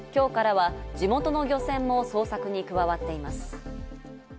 今日からは地元の漁船も捜索に加わっています。